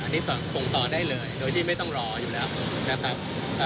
นี่ส่งต่อได้เลยโดยที่ไม่ต้องรออยู่แล้ว